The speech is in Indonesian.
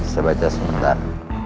saya baca sebentar